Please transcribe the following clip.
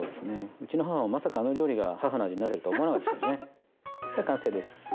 うちの母もまさかあの料理が母の味になってるとは思わなかったでしょうね。